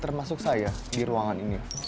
termasuk saya di ruangan ini